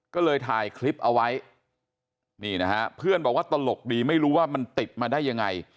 ก็เลยถ่ายคลิปเอาไว้นี่นะฮะเพื่อนบอกว่าตลกดีไม่รู้ว่ามันติดมาได้ยังไง